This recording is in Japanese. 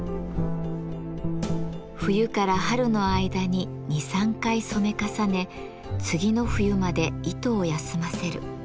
冬から春の間に２３回染め重ね次の冬まで糸を休ませる。